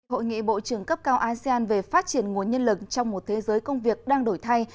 hội nghị bộ trưởng cấp cao asean về phát triển nguồn nhân lực trong một thế giới công việc đang đổi thay